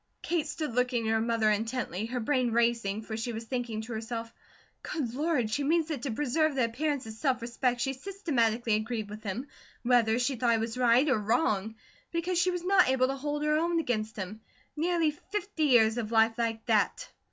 Kate stood looking at her mother intently, her brain racing, for she was thinking to herself: "Good Lord! She means that to preserve the appearance of self respect she systematically agreed with him, whether she thought he was right or wrong; because she was not able to hold her own against him. Nearly fifty years of life like that!"